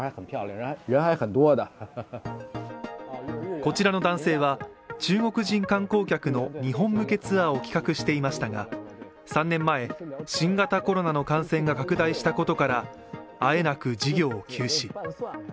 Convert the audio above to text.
こちらの男性は、中国人観光客の日本向けツアーを企画していましたが、３年前、新型コロナの感染が拡大したことからあえなく事業を休止。